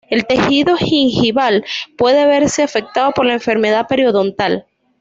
El tejido gingival puede verse afectado por la enfermedad periodontal.